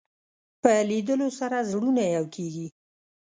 په لیدلو سره زړونه یو کېږي